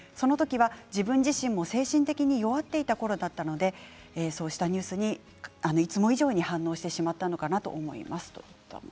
自分自身も精神的に弱っていたころだったのでそうしたニュースにいつも以上に反応してしまったのかなと思います。